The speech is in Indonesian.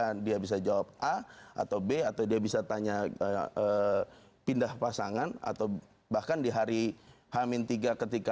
apakah dia bisa jawab a atau b atau dia bisa tanya pindah pasangan atau bahkan di hari hamin tiga ketika